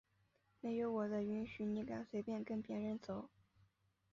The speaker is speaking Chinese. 没有我的允许你敢随便跟别人走？！